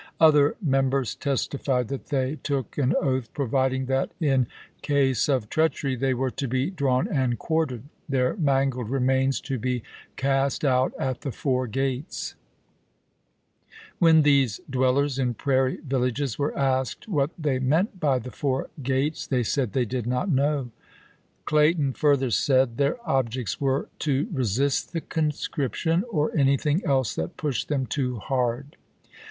Other members testified that they took an oath providing that in case of treachery they were to be drawn and quartered, their mangled remains to be cast out at the four gates. When these dwellers in prairie villages were asked what they meant by " the four gates," CONSPIRACIES IN THE NORTH 7 they said they did not know. Clayton further said chap. i. their obiects were "to resist the conscription, or Benn '' nil IT Pitiuan, anything else that pushed them too hard."